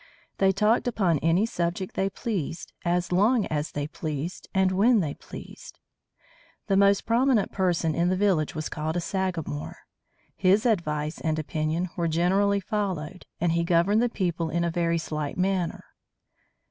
They talked upon any subject they pleased, as long as they pleased, and when they pleased. The most prominent person in a village was called the sagamore. His advice and opinion were generally followed, and he governed the people in a very slight manner.